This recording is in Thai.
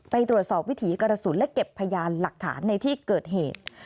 ไปตรวจสอบวิถีกระสุนและเก็บพยานหลักฐานในที่เกิดเหตุ